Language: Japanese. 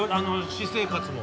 私生活も。